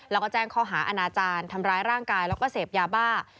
แล้วก็แจ้งข้อหาอาณาจารย์ทำร้ายร่างกายแล้วก็เสพยาบ้า